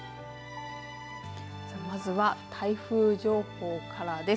さあまずは台風情報からです。